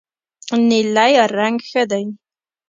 نیلی رنګ ښه دی.